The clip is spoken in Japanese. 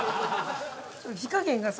火加減がさ